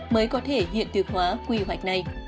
mới có thể hiện thực hóa quy hoạch này